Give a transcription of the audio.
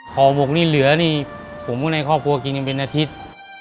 ห่อหมกนี่เหลือนี่ผมก็ในครอบครัวกินกันเป็นอาทิตย์